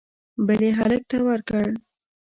بل یې هلک ته ورکړ